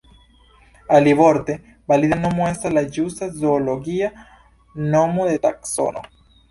Alivorte: valida nomo estas la ĝusta zoologia nomo de taksono.